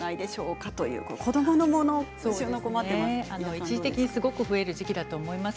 一時的にすごく増える時期だと思います。